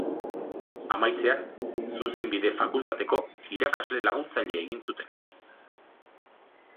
Amaitzean, Zuzenbide fakultateko irakasle laguntzaile egin zuten.